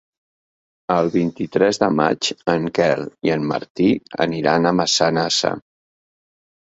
El vint-i-tres de maig en Quel i en Martí aniran a Massanassa.